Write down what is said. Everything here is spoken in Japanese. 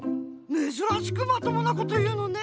めずらしくまともなこというのね。